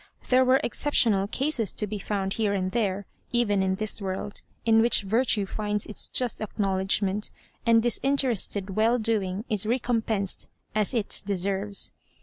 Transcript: There are exceptional cases to be found here and there even in this world, in which virtue finds its just acknowledgment, and dis interested well doing is recompensed as it de serves.